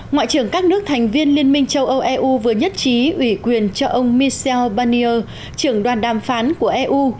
ngoại trưởng các nước thành viên liên minh châu âu eu vừa nhất trí ủy quyền cho ông michel barnier trưởng đoàn đàm phán của eu